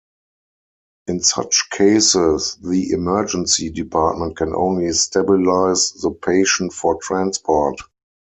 In such cases the emergency department can only stabilize the patient for transport.